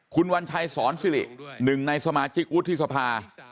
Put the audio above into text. คุณวัญชัยสอนสิริหนึ่งในสมาชิกวุฒิสภา